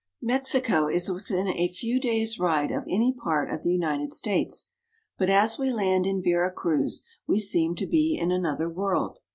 MEXICO is within a few days' ride of any part of the United States, but as we land in Vera Cruz, we seem to be in another world.